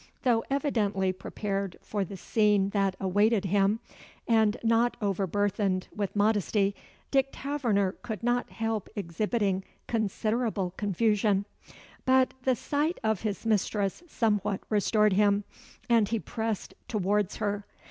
Though evidently prepared for the scene that awaited him, and not overburthened with modesty, Dick Taverner could not help exhibiting considerable confusion; but the sight of his mistress somewhat restored him, and he pressed towards her.